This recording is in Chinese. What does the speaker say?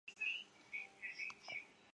毕业于锦州医学院医疗专业。